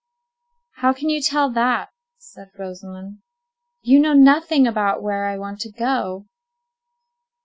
"How can you tell that?" said Rosamond. "You know nothing about where I want to go."